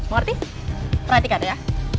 mengerti perhatikan ya